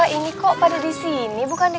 ini kok pada di sini bukan di